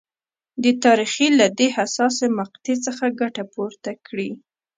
د تاریخ له دې حساسې مقطعې څخه ګټه پورته کړي.